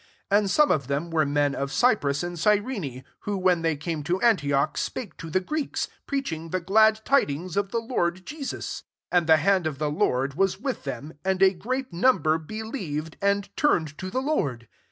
20 And some of them were men of Cy prus and Cyren6; who, when they came to Antioch, spake to the Greeks;* preaching the glad tidings of the Lord Jesus. 21 And the hand of the Lord was with them: and a great number believed, and turned to the Lord.